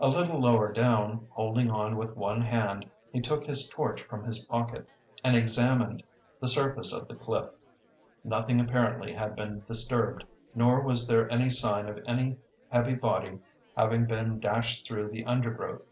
A little lower down, holding on with one hand, he took his torch from his pocket and examined the surface of the cliff. Nothing apparently had been disturbed, nor was there any sign of any heavy body having been dashed through the undergrowth.